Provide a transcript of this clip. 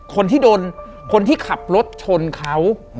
คนที่โดนคนที่ขับรถชนเขา